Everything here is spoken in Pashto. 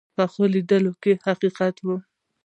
پخو لیدو کې حقیقت وي